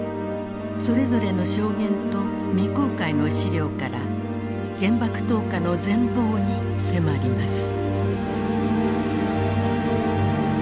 それぞれの証言と未公開の資料から原爆投下の全貌に迫ります。